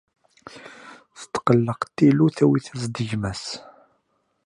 Tetqelleq tilut, awi-t-as-d gma-s.